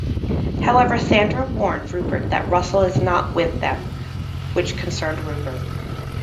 However, Sandra warned Rupert that Russell is not with them which concerned Rupert.